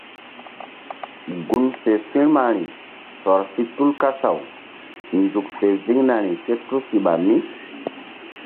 Gun fe firmari tɔr si tu kasaw nzuk fe ziŋnari ké tusiɓa mí.